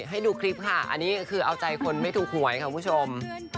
ให้ดูคลิปค่ะอันนี้คือเอาใจคนไม่ถูกหวยค่ะคุณผู้ชม